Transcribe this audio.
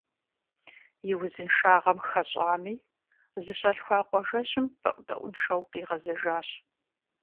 И узыншагъэм хэщӏами, зыщалъхуа къуажэжьым бэӏутӏэӏуншэу къигъэзэжащ.